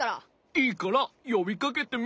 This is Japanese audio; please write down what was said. いいからよびかけてみ？